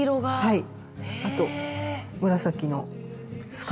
はい。